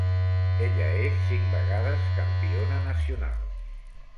Ella és cinc vegades campiona nacional.